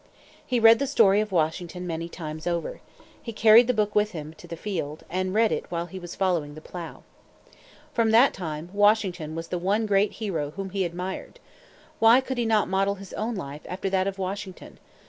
He read the story of Washington many times over. He carried the book with him to the field, and read it while he was following the plow. From that time, Washington was the one great hero whom he admired. Why could not he model his own life after that of Washington?